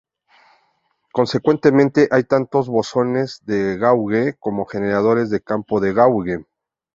Consecuentemente, hay tantos bosones de gauge como generadores de campo de gauge.